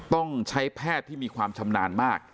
ต้องใช้แพทย์ที่มีความชำนาญมาก